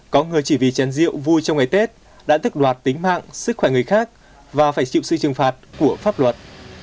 có người chỉ vì chén rượu vui trong ngày tết đã thức đoạt tính mạng sức khỏe người khác và phải chịu sự trừng phạt của pháp luật